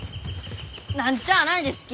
何ちゃあないですき。